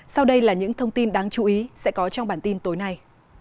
sau đây là những thông tin đáng chú ý sẽ có trong bản tin tối nay